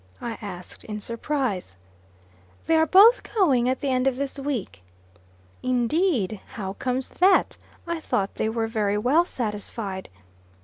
I asked, in surprise. "They are both going at the end of this week." "Indeed! How comes that? I thought they were very well satisfied."